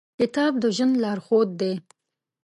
کتاب د ژوند لارښود دی.